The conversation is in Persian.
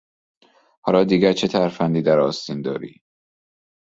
حالا دیگه چه ترفندی در آستین داری؟